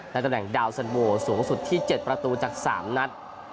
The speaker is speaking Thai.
และตำแหนดาวสันโวสูงสุดที่๗ประตูจาก๓นัด